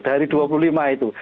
dari dua puluh lima itu